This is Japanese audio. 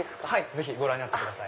ぜひご覧になってください。